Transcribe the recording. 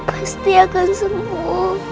aku pasti akan sembuh